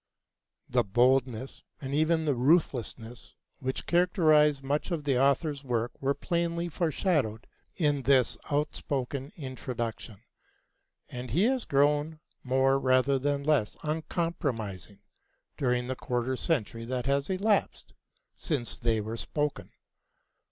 The boldness and even the ruthlessness which characterize much of the author's work were plainly foreshadowed in this outspoken introduction; and he has grown more rather than less uncompromising during the quarter century that has elapsed since they were spoken.